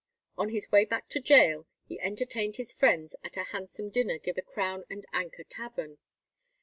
On his way back to gaol he entertained his friends at a handsome dinner given at the Crown and Anchor Tavern.